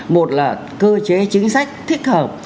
một là cơ chế chính sách thích hợp